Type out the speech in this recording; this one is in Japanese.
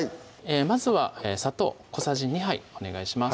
まずは砂糖小さじ２杯お願いします